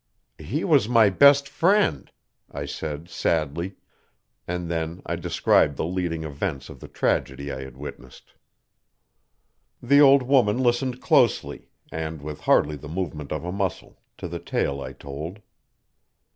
"He was my best friend," I said sadly; and then I described the leading events of the tragedy I had witnessed. The old woman listened closely, and with hardly the movement of a muscle, to the tale I told.